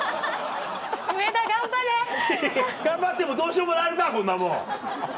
上田頑張れ！頑張ってもどうしようもなるかこんなもん！